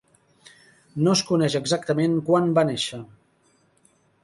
No es coneix exactament quan va néixer.